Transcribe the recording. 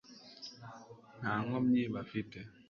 nta nkomyi bafite